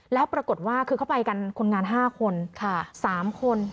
แล้วปรากฏว่าคือเขาไปกันคนงาน๕คน๓คน